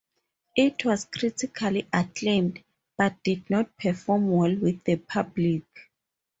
It was critically acclaimed, but did not perform well with the public.